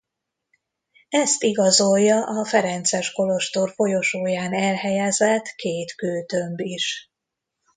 Ezt igazolja a ferences kolostor folyosóján elhelyezett két kőtömb is.